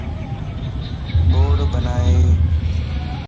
ٻوڙ بنائي